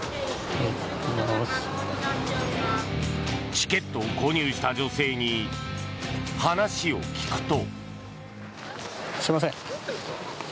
チケットを購入した女性に話を聞くと。